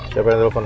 siapa yang telepon